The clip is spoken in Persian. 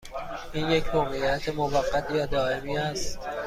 این یک موقعیت موقت یا دائمی است؟